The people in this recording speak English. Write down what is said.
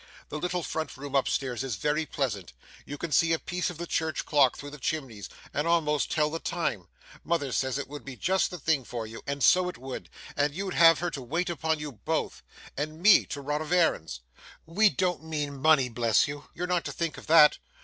The little front room up stairs is very pleasant. You can see a piece of the church clock, through the chimneys, and almost tell the time; mother says it would be just the thing for you, and so it would, and you'd have her to wait upon you both, and me to run of errands. We don't mean money, bless you; you're not to think of that!